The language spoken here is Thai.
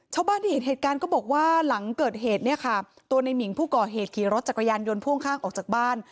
ชาวบ้านที่เห็นเหตุการณ์ก็บอกว่าหลังเกิดเหตุเนี่ยค่ะตัวในหมิงผู้ก่อเหตุขี่รถจักรยานยนต์พ่วงข้างออกจากบ้าน